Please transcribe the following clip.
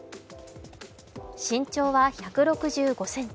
身長は１６５ｃｍ。